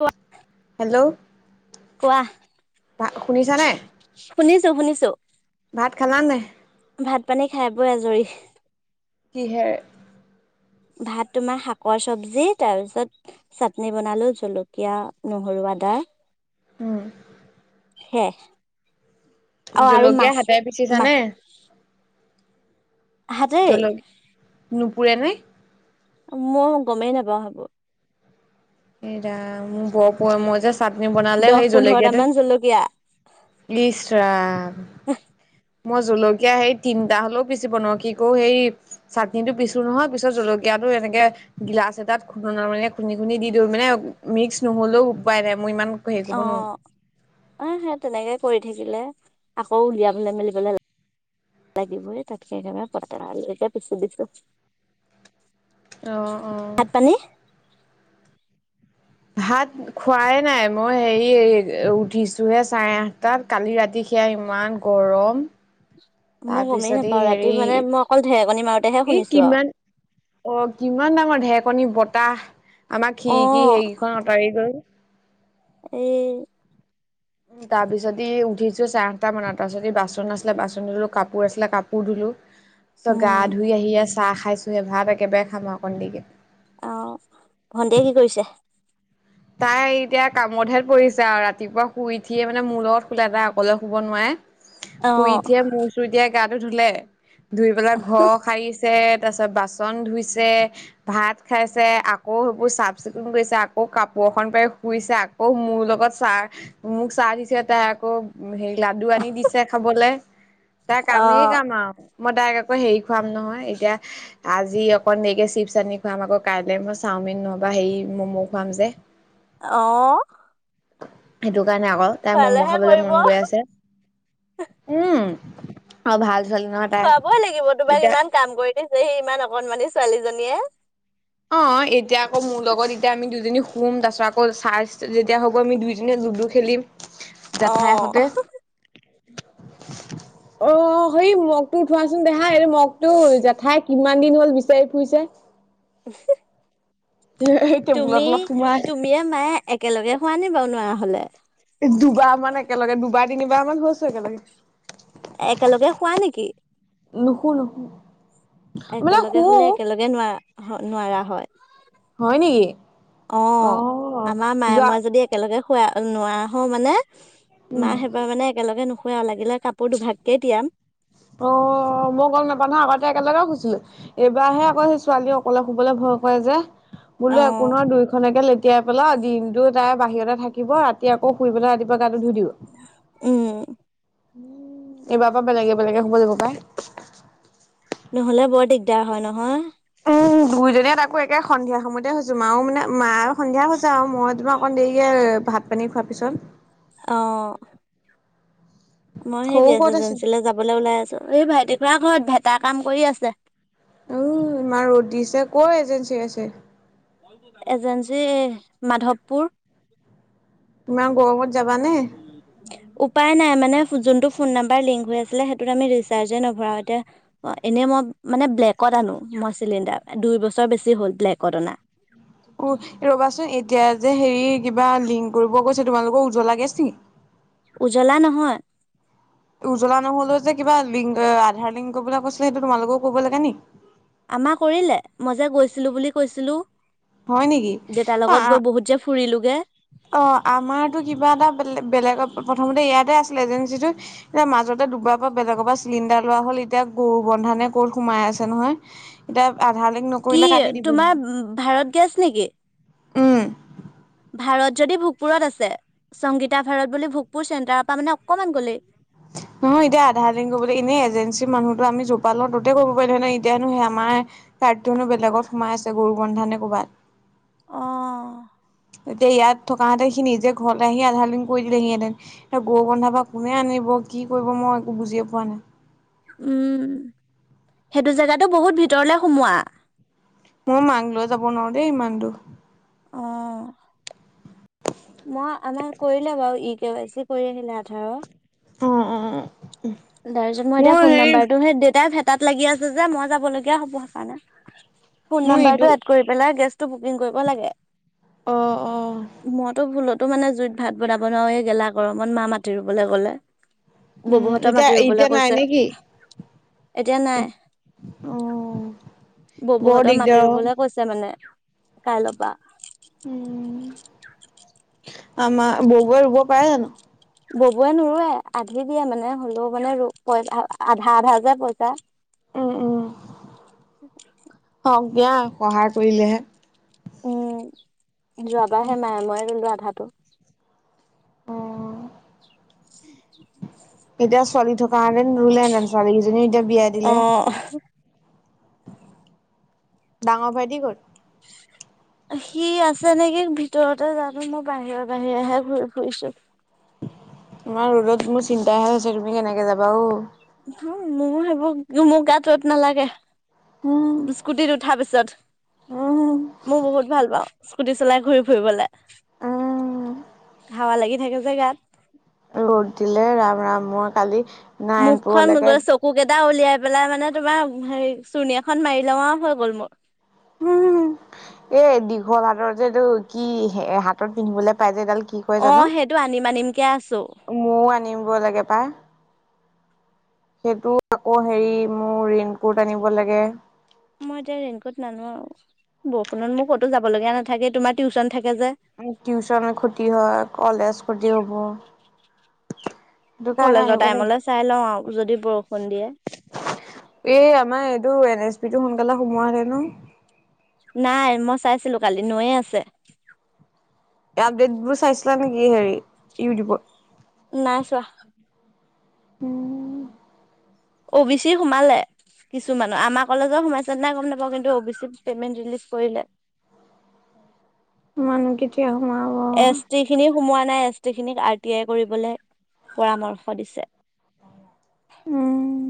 কোৱা, কোৱা। ৱা, শুনিছা নে? শুনিছোঁ, শুনিছোঁ। ভাত খালা নে? ভাত-পানী খাই-বয় আজৰি। কিহেৰে? ভাত তোমাৰ শাকৰ চব্জি তাৰপিছত চাটনি বনালোঁ, জলকীয়া নহ আদা উম। হেয়াই। জলকীয়া হাতেৰে পিতিছানে? হাতেৰেই। নুপুৰেনে? মই গমেই নাপাওঁ হেইবোৰ। এ, ৰাম, বৰ পুৰে মইযে চাটনি বনালে দহ সেই পোন্ধৰটা জলকীয়াতো মান জলকীয়া ইচ ৰাম। মই জলকীয়া সেই তিনটা হলেও পিচিব নোৱাৰোঁ, কি কৰোঁ হেৰি চাটনিটো পিছো নহয় পিছত জলকীয়া এনেকে গিলাচ এটাত খুননা মানে খুন্দি-খুন্দি দি দিওঁ মানে মিক্স নহলেও উপায় নাই মোৰ ইমান হেৰি কৰিব নোৱাৰো অ' মই হেই তেনেকে কৰি থাকিলে আকৌ উলিয়াবলে মেলিবলে লাগিবই তাতকে একেবাৰে [unintelligible] পিচি দিছো। অ', অ'। ভাত পানী ভাত খোৱাই নাই, মই হেৰি উঠিছোহে চাৰে আঠটাত কালি ৰাতি কিয়া ইমান গৰম। মই গমেই তাৰপিছত এই নাপাওঁ ৰাতি হেৰি মানে মই অকল ঢেৰেকণী মাৰোতেহে ই শুনিছো আৰু কিমান অ, কিমান ডাঙৰ ঢেৰকনী, বতাহ আমাৰ খিৰিকি হেৰিকেইখন আঁতৰি গ'ল। এ উম, তাৰপিছত ই উঠিছোঁ চাৰে আঠটা মানৰ, তাৰ পিছত বাচন আছিলে বাচন ধুলো, কাপোৰ আছিলে কাপোৰ ধুলো। গা উম ধুই আহি চাহ খাইছোঁ। এ, ভাত একেবাৰে খাম আৰু অকণ দিকে। অ'। ভণ্টিয়ে কি কৰিছে? তাই এতিয়া কামত হত পৰিছে আৰু ৰাতিপুৱা শুই উঠিয়ে মানে মূৰ লগত খোলা তাই অকলে শুব নোৱাৰে। অ শুই উঠিয়ে মূৰ চুৰতিয়াই গাটো ধুলে, ধুই পেলাই ঘৰ সাৰি তাৰ পিছত বাচন ধুইছে, ভাত খাইছে আকৌ সেইবোৰ চাফ চিকুণ কৰিছে আকৌ কাপো বৰষুণ পাৰ শুইছে, আকৌ মোৰ লগত চাহ মোক চাহ দিছে তাই আকৌ হেৰি লাডু পানী দিছে খাবলে। তাক অ কামেই কাম আৰু। মই তাইক আকৌ হেৰি খুৱাম নহয়, এতিয়া আজি অকন দেকে চিপছ আনি খুৱাম, আকৌ কাইলে মই চাম চাওমিন নহবা হেৰি ম'ম' খুৱাম যে। অ'। সেইটো কাৰণে আকৌ। তাই ম'ম' খোৱালেহে খাবলৈ কৰিব মন গৈ আছে। উম, অ' ভাল। ছোৱালী নহয় তাই খোৱাবই লাগিব তোমাক এতিয়া ইমান কাম কৰি দিছে, সি ইমান অকনমানি ছোৱালীজনীয়ে। অ' এতিয়া আকৌ মোৰ লগত এতিয়া আমি দুজনী শুম তাৰাছত আকৌ চাৰ্জ যেতিয়া হ'ব আমি দুইোজনে লুডু খেলিম। অ জাঠাইহঁতে? অ' হে মগটো উঠোৱাচোন দেহা, এইটো মগটো জেঠাই কিমান দিন হ'ল বিচাৰি ফুৰিছে। [unintelligible] [unintelligible] এই টেবুলৰ তুমি তলত সোমাই তুমিয়ে মায়ে একেলগে খুৱানে বাৰু নোৱাৰা হ'লে? দুবাৰ মান একেলগে দুবাৰ তিনিবাৰ মান হৈছোঁ একেলগে। একেলগে খোৱা নেকি? নুশু নুশু। মানে শু একেলগে শুলে একেলগে নোৱাৰা নোৱাৰা হয়। হয় নেকি অ' আমাৰ মায়ে যোৱা মই যদি একেলগে শুৱে নোৱাৰা হ মানে, মা সেইবাৰ মানে একেলগে নুশু লাগিলে কাপোৰ দুভাগকে টিয়াম। অ', মই গম নাপাম নহয়, আগতে একেলগে শুইছিলো। এইবাৰহে আকৌ সেই ছোৱালী অকলে শুবলে ভয় কৰে যে, অ বোলো একো নহয় দুই খনকে লে এতিয়া [unintelligible] দিনটো তাই বাহিৰতে থাকিব ৰাতি আকৌ শুই পেলাই ৰাতি গাটো ধুই দিওঁ, উম এইবাৰ পৰা বেলেগে বেলেগে শুব [unintelligible] পায়। নহ'লে বৰ দিগদাৰ হয় নহয়। উম, দুইজনীয়ে তাকো একে সন্ধিয়া সময়তে শুইছো মাঁও মানে মাঁ সন্ধিয়া হৈছে, আৰু মই তোমাৰ অকণ দেৰিকে ভাত পানী খোৱাৰ পিছত অ মই সে সৰু গেছ ক'ত আছে এজেঞ্চীলৈ যাবলৈ ওলাই আছো, এই ভাইটি খুৰাৰ ঘৰত ভেটাৰ কাম কৰি আছে। উম, ইমান ৰ'দ দিছে ক'ত এজেঞ্চী আছে? এজেঞ্চি মাধৱপুৰ। ইমান গৰমত যাবানে উপায় নাই মানে যোনটো ফোন নাম্বাৰ লিংক হৈ আছিলে সেইটোত আমি ৰিছাৰ্ছ এ নভৰাও, এতিয়া এনে মই মানে ব্লেকত আনো, মই চিলিণ্ডাৰ দুই বছৰ বেছি হ'ল ব্লেকত অনা। উম, ৰবাচোন এতিয়া যে হেৰি কিবা লিংক কৰিব কৈছে তোমালোকৰ উজ্বলা গেছ নেকি? উজ্বলা নহয়। উজ্বলা নহলেও যে কিবা লিংক আধাৰ লিংক কৰিবলে কৈছিলে সেইটো তোমালোকেও কৰিব লাগে নি? আমাৰ কৰিলে, মই যে গৈছিলো বুলি কৈছিলোঁ। হয় নেকি? দেউতাৰ অ লগত গৈ বহুত যে ফুৰিলোগে অ', আমাৰতো কিবা এটা বেলে-বেলেগ প্ৰথমতে ইয়াতে আছিলে এজেঞ্চিটো মাজতে দুবাৰৰ পৰা বেলেগৰ পৰা চিলিণ্ডাৰ লোৱা হল, এতিয়া গৰু বন্ধানে ক'ত সোমাই আছে নহয় এতিয়া আধাৰ লিংক কি নকৰিলে কাটি দিব, তোমাৰ ভাৰত গেছ নেকি উম। ভাৰত যদি ভোগপুৰত আছে, সংগীতা ভাৰত বুলি ভোগপুৰ চেণ্টাৰৰ পৰা মানে অকমান গ'লেই। নহয়, এতিয়া আধাৰ লিংগ [unintelligible] এনেই এজেঞ্চিৰ মানুহ ত' আমি যৰ পৰা লও ততে কৰিব পাৰিলো হয় নহয়। এতিয়ানো, সে আমাৰ কাৰ্টোনো বেলেগত সোমাই আছে গৰু বন্ধানে ক'বাত? [unintelligible] অ এতিয়া ইয়াত থকাহঁতে সি নিজে ঘৰলে আহি আধাৰ লিংক কৰি দিলেহি হেঁতেন, এ গৰু বন্ধা বা কোনে আনিব, কি কৰিব মই একো বুজিয়ে পোৱা নাই। উম, সেইটো জেগাটো বহুত ভিতৰলে সোমোৱা। মই মাক লৈ যাব নোৱাৰো দেই ইমান দূৰ। অ'। মই আমাৰ কৰিলে বাৰু, ই কে ৱাই চি কৰি আহিলে আধাৰৰ। অ', অ', অ'। তাৰপিছত, মই এতিয়া ফোন নাম্বাৰটো সেই দেউতাই ভেতাত লাগি আছে যে। মই যাব লগীয়া হ'ব সেইকাৰণে। ফোন মোৰ ইটো নম্বৰটো এড কৰি পেলাই, গেছটো বুকিং কৰিব লাগে। অ', অ'। তো মানে জুইত ভাত বনাব নোৱাৰো, এই গেলা গৰমত মা মাতি ৰুবলৈ গ'লে। উম, [unintelligible] এতিয়া মাতি ৰুবলে এতিয়া নাই কৈছে। নেকি? এতিয়া নাই, বৰ ববহঁতৰ মাতি দিগদাৰ অ'। ৰুবলৈ কৈছে মানে। মানে, কাইলৈ পৰা। আমাৰ [unintelligible] ৰুব পাৰে জানো? ববৱে নোৰোৱে, আধি দিয়ে মানে হলেও মানে আধা-আধা যে পইচা উম, উম, হওক দিয়া সহায় কৰিলেহে? উম, যোৱাবাৰহে মায়ে মইয়ে ৰুলো আধাটো। [inaudible] এতিয়া, ছোৱালী থকাহেঁতেন ৰুলেহেঁতেন ছোৱালী কেইজনীয়ে এতিয়া বিয়া দিলে। অ', ডাঙৰ ভাইটি ক'ত? সি আছে নেকি ভিতৰতে যানো? মই বাহিৰৰ বাহিৰেহে ঘূৰি ফুৰিছো। ইমান ৰ'দত মোৰ চিন্তাহে হৈছে তুমি কেনেকে যাবা অ'? অ', মোৰ সেইবোৰ মোৰ গাত ৰ'দ নালাগে। উম, স্কুটিত উঠাৰ পিছত, উম, মোৰ বহুত ভাল পাওঁ। স্কুটি চলাই ঘূৰি ফুৰিবলৈ। হাৱা লাগি থাকে যে গাত। ৰ'দ দিলে ৰাম ৰাম মই কালি মুখখন নাৰায়ণপুৰলৈকে গৈ চকু কে পা উলিয়াই পেলাই মানে তোমাৰ হেৰি চুৰ্ণী এখন মাৰি লওঁ আৰু হৈ গ'ল মোৰ। হো। এ দীঘল হাতৰ যে এইটো কি হাতত পিন্ধিবলে পাই যে এডাল কি কয় জানো? অ', সেইটো আনিম আনিমকে আছো। মো আনিব লাগে পাই। সেইটো আকৌ হেৰি মোৰ ৰেনকোট আনিব লাগে। মই এতিয়া ৰেনকোট নানো আৰু। বৰষুণত মোৰ ক'তো যাব লগীয়া নাথাকে। তোমাৰ টিউচন থাক টিউচন ক্ষতি হয় কলেজ ক্ষতি হ'ব। সেইটো কাৰণে কলেজৰ আনিব টাইমলে চাই লওঁ আৰু যদি বৰ এ আমাৰ এইটো এন এছ পিটো সোনকালে সোমোৱা হেঁতেনো। নাই, মই চাইছিলো কালি নয়ে আছে। আপডেটবোৰ চাইছিলা নেকি হেৰি ইউটিউবত? নাই চোৱা। উম। অ বি চিৰ সোমালে। কিছুমানৰ। আমাৰ কলেজত সোমাইছে নে নাই গম নাপাওঁ। কিন্তু অ বি চি পেমেণ্ট ৰিলিজ কৰিলে। [inaudible] মোৰনো কেতিয়া সোমা এছ টিখিনি সোমোৱা নাই। এছ টি খিনিক আৰ টি আই কৰিবলৈ পৰামৰ্শ দিছে। উম।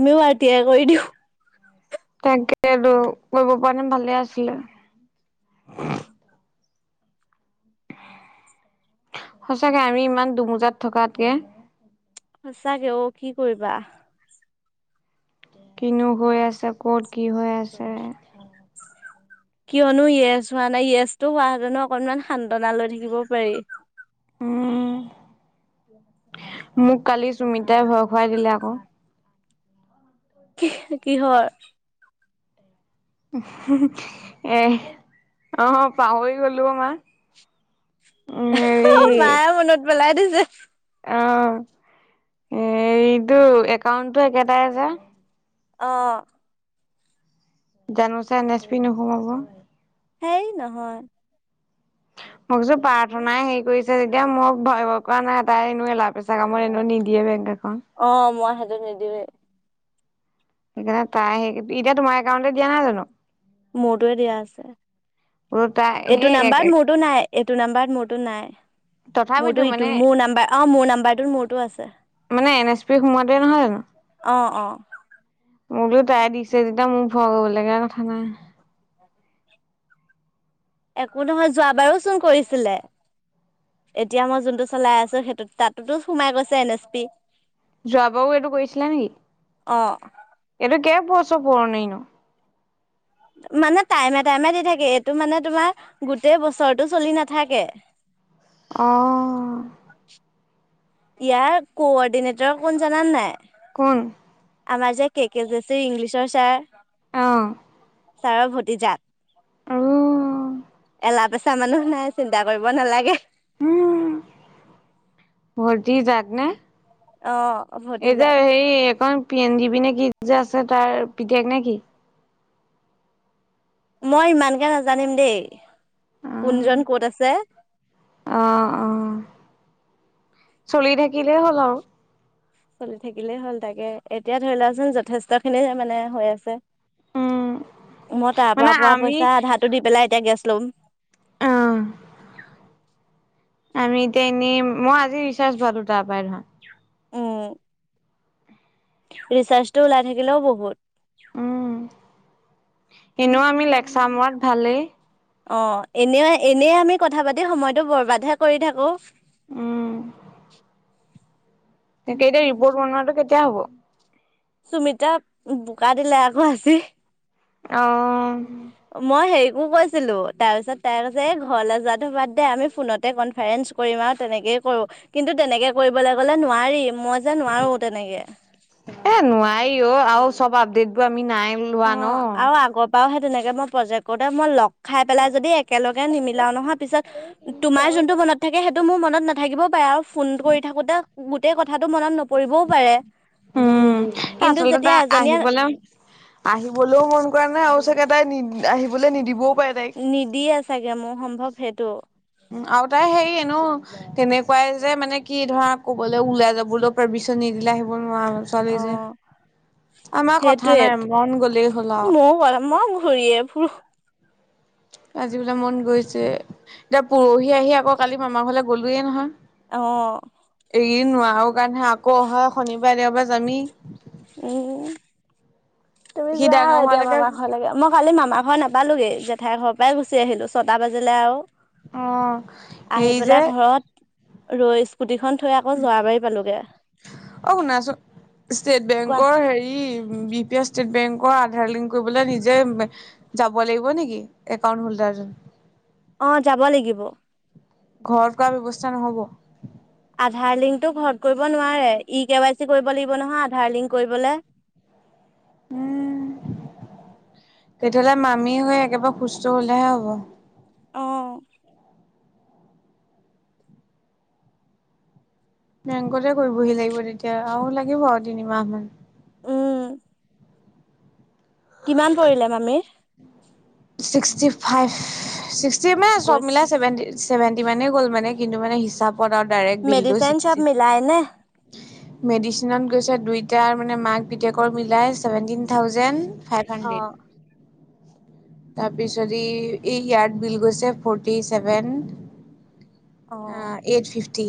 আমিও আৰ টি য়াই কৰি দিওঁ। তেন্তেটো কৰিব পৰাহেঁতেন ভালে আছিলে। সঁচাকে আমি ইমান দুমোজাত থকাতকে। সঁচাকে অ', কি কৰিবা। কিনো হৈ আছে, ক'ত কি হৈ আছে। [inaudible] কিয়নো য়েছ হোৱা নাই। য়েছটো হোৱা হেতেনো অকনমান সান্ত্বনা লৈ থাকিব পাৰি। উম। মোক কালি চুমিতাই ভয় খুৱাই দিলে আকৌ। কি কিহৰ? উহো এই। অহ পাহৰি গলো অ', মা। হেৰি মায়ে মনত পেলাই দিছে। অ', হেৰিটো একাউণ্টটো একেটাই যে। অ'। জানোচাই এন এছ পি নোসোমাব। হেই নহয়। [inaudible] মই কৈছো প্ৰাৰ্থনাই হেৰি কৰিছে যেতিয়া মোক ভয়ৰ কৰা নাই। তাই এনেও এলা-পেচা কামত এনেও নিদিয়ে বেংকত। অ', মই সেইটো নিদিওঁয়েই। সেইকাৰণে তাই সেই, এতিয়া তোমাৰ একাউণ্টটো দিয়া নাই জানো? মোৰটোৱে দিয়া আছে। বোলো তাই এইটো সেই নাম্বাৰত মোৰতো নাই। এইটো নাম্বাৰত মোৰতো নাই। তথাপিতো মোৰতো মানে ইটো মোৰ নাম্বাৰ, অ', মোৰ নাম্বাৰোটোত মোৰতো আছে। মানে এন এছ পি সোমোৱাতো নহয় জানো? অ অ মই বোলো তাই দিছে যেতিয়া, মোৰ ভয় কৰিব লগীয়া কথা নাই। একো নহয় যোৱাবাৰো চোন কৰিছিলে। এতিয়া মই যোনটো চলাই আছো, সেইটো তাতোটো সোমাই গৈছে এন এছ পি। যোৱাবাৰো এইটো কৰিছিলা নেকি? অ এইটো কেই বছৰ পুৰণিনো? মানে টাইমে টাইমে দি থাকে, এইটো মানে তোমাৰ গোটেই বছৰটো চলি নাথাকে। অ'। ইয়াৰ কোৰৰ্ডিনেটৰ কোন জানানে নাই। কোন? আমাৰ যে কে কে জোচি ইংলিছৰ ছাৰ। অ'। ছাৰৰ ভতিজাক। উম, এলা পেচা মানুহ নাই চিন্তা কৰিব নালাগে। উম, ভতিজাক নে। অ'। এই যে ভতিজাক হেৰি এইখন পি এনজি পি নে কি যে আছে তাৰ পিতেক নে কি? মই ইমানকে নাজানিম দেই, কোনজন ক'ত আছে? অ', অ', চলি থাকিলে হ'ল আৰু। চলি থাকিলেই হ'ল তাকে, এতিয়া ধৰি লোৱাচোন যথেষ্ট খিনি মানে হৈ আছে। উম মই তাৰ মানে পৰা পোৱা আমি পইচা আধাটো দি পেলাই এতিয়া গেছ ল'ম। অ আমি এতিয়া এনেই, মই আজি ৰিচাৰ্জ ভৰালোঁ তাৰ পৰাই ধৰা। উম ৰিচাৰ্জটো ওলাই থাকিলেও বহুত। উম এনেও আমি লেক্সাৰ মৰাত ভালেই। অ' এনেও এনে আমি কথা পাতি সময়টো বৰবাদহে কৰি থাকোঁ। উম এতিয়াকে ৰিপৰ্ট বনোৱাটো কেতিয়া হ'ব? সুমিতাক, বোকা দিলে আকৌ আজি। অ'। মই হেৰিকো কৈছিলোঁ তাৰ পিছত তাই কৈছে এ ঘৰলে যোৱাতো বাদ দে আমি ফোনত কনফাৰেন্স কৰিম আৰু তেনেকেই কৰোঁ কিন্তু তেনেকে কৰিবলে গ'লে নোৱাৰি। মই যে নোৱাৰোঁ তেনেকে। [unintelligible] আৰু [unintelligible] লোৱা ন অ' আৰু আগৰ পৰাও সেই তেনেকে মই প্ৰজেক্ট কৰোতে মই লক খাই পেলাই যদি একেলগে নিমিলাও নহয় পিছত তোমাৰ যোনটো মনত থাকে সেইটো মোৰ মনত নাথাকিব পাৰে [unintelligible] ফোন কৰি থাকোতে গোটেই কথাটো মনত নপৰিবও পাৰে। উম, কিন্তু আচলতাতা যেতিয়া এজনীয়ে আহিবলে আহি বলৈও মন কৰা নাই আৰু চাগে তাই নি আহিবলৈ নিদিবও পাৰে তাইক নিদিয়ে চাগে মোৰ সম্ভৱ সেইটো। আৰু তাই হে এনেওঁ তেনেকুৱাই যে মানে কি ধৰা ক'বলৈ ওলাই যাবলৈ পাৰমি পিছত নিদিলে আহিব নোৱাৰো ছোৱালী যে। অ', আমাৰ কথা নাই সেইটোৱে মন গ'লেই হ'ল আৰু। ময়ো কৰা মই ঘূৰিয়ে ফুৰো আজি বোলে মন গৈছে, এতিয়া পৰহি আহি আকৌ কালি মামাৰ ঘৰলৈ গ'লোয়ে নহয়। অ'। [unintelligible] নোৱাৰো কাৰণে আকৌ অহা শনিবাৰ দেওবাৰে যামেই। উম। তুমি সি যোৱা ডাঙৰ আৰু এতিয়া হোৱালৈকে মামা ঘৰলৈকে মই কালি মামাৰ ঘৰ নাপালোগে যে জেঠাইৰ ঘৰৰ পৰাই গুচি আহিলোঁ ছটা বাজিলে আৰু। অ' আহি হেৰি পেলাই যে। ঘৰত ৰৈ স্কুটিখন থৈ আকৌ যোৱাবাৰী পালোগে। অ' শুনাচোন ষ্টেট কোৱা বেংকৰ হেৰি বি ষ্টেট বেংকৰ আধাৰ লিংক কৰিবলৈ নিজে বে যাব লাগিব নেকি একাউণ্ট হল্ডাৰজনে। অ' যাব লাগিব। ঘৰত কৰা ব্যৱস্থা নহ'ব। আধাৰ লিংকটো ঘৰত কৰিব নোৱাৰে ই কেৱাই চি কৰিব লাগিব নহয় আধাৰ লিংক কৰিবলে। [inaudible] উম। তেতিয়াহ'লে মামী হৈ একেবাৰে সুস্থ হলেহে হব। অ। বেংকতে কৰিবহি লাগিব তেতিয়া আৰু লাগিব আৰু তিনিমাহ মান। উম। কিমান পৰিলে মামিৰ। শীষ্টিফাইভ, শীষ্টি মানে সব মিলাই সেৱেণ্টি, সেবেণ্টি মানে গল মানে কি মানে হিচাপত আৰু ডাইৰেক্ট বিলটো মেডিচিন চব শীষ্টি। মিলাই নে মেডিচিনত গৈছে দুইটাৰ মানে মাক পুতেকৰ মিলাই seventeen thousand. Five uh hundred. তাৰপিছত ই ই ইয়াৰ্ড বিল গৈছে ফোৰ্টিছেভেন। আ অ এইট ফিফটি।